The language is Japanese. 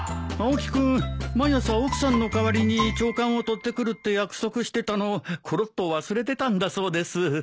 青木君毎朝奥さんの代わりに朝刊を取ってくるって約束してたのをころっと忘れてたんだそうです。